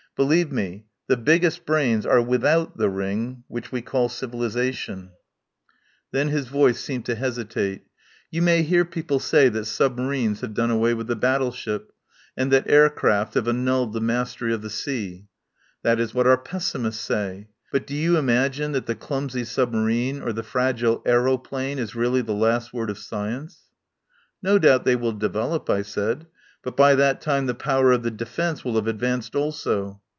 Believe me, the biggest brains are without the ring which we call civilisation." 73 THE POWER HOUSE Then his voice seemed to hesitate. "You may hear people say that submarines have done away with the battleship, and that air craft have annulled the mastery of the sea. That is what our pessimists say. But do you imagine that the clumsy submarine or the fra gile aeroplane is really the last word of sci ence ?" "No doubt they will develop," I said, "but by that time the power of the defence will have advanced also."